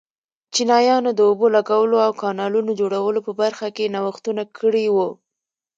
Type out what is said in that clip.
چینایانو د اوبو لګولو او کانالونو جوړولو په برخه کې نوښتونه کړي وو.